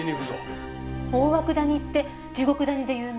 大涌谷って地獄谷で有名な？